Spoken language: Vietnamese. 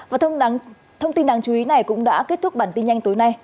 và thông tin đáng chú ý này cũng đã kết thúc bản tin nhanh tối nay